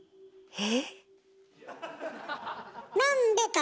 え？